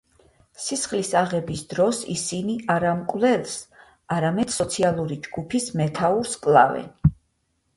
სისხლის აღების დროს ისინი არა მკვლელს, არამედ სოციალური ჯგუფის მეთაურს კლავენ.